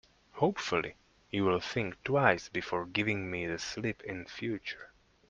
Hopefully, you'll think twice before giving me the slip in future.